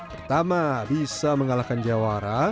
pertama bisa mengalahkan jawara